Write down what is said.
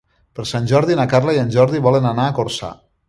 Per Sant Jordi na Carla i en Jordi volen anar a Corçà.